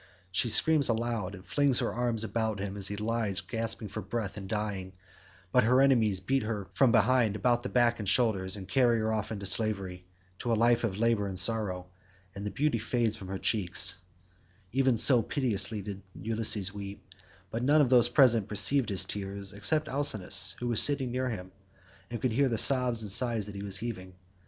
She screams aloud and flings her arms about him as he lies gasping for breath and dying, but her enemies beat her from behind about the back and shoulders, and carry her off into slavery, to a life of labour and sorrow, and the beauty fades from her cheeks—even so piteously did Ulysses weep, but none of those present perceived his tears except Alcinous, who was sitting near him, and could hear the sobs and sighs that he was heaving.